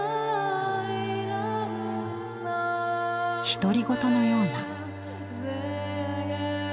独り言のような。